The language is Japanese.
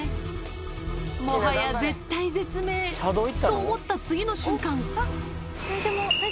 もはや絶体絶命、と思った次の瞬間。